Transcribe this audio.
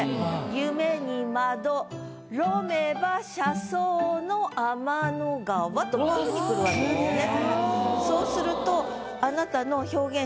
「夢にまどろめば車窓の天の川」とこういうふうにくるわけですね。